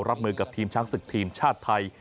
รับมือกับทีมช้างศึกทีมชาติไทย